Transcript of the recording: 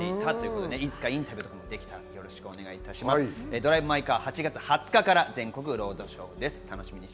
『ドライブ・マイ・カー』８月２０日から全国ロードショーです。